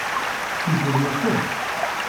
Qui podia ser?